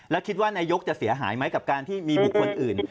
แล้วคิดว่านายกจะเสียหายไหมกับการที่มีบุคคลอื่น